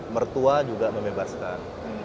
mertua juga membebaskan